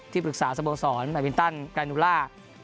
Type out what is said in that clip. ที่ปรึกษาสมสรรค์แบบวินตันการูล่า